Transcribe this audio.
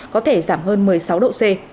có thể giảm hơn một mươi sáu độ c